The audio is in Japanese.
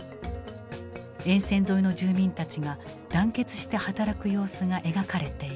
沿線沿いの住民たちが団結して働く様子が描かれている。